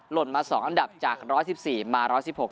หล่นมาสองอันดับจากร้อยสิบสี่มาร้อยสิบหก